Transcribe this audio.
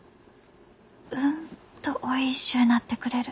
うんとおいしゅうなってくれる。